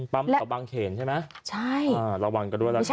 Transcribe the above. ปั๊มตะบางเขนใช่ไหมระวังกันด้วยนะคะใช่